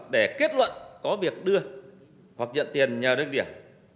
để kết luận có việc đưa hoặc nhận tiền nhờ đơn điểm